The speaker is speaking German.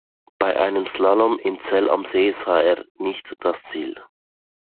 Bei einem Slalom in Zell am See sah er nicht das Ziel.